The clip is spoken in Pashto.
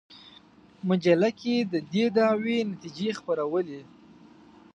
مجله کې د دې دعوې نتیجې خپرولې.